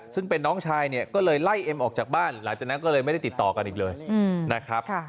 ซึ่งเป็นน้องชายเนี่ยก็เลยไล่เอ็มออกจากบ้านหลังจากนั้นก็เลยไม่ได้ติดต่อกันอีกเลยนะครับ